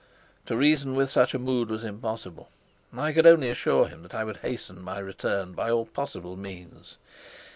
To reason with such a mood was impossible. I could only assure him that I would hasten my return by all possible means.